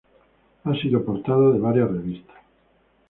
Ha sido portada de varias revistas.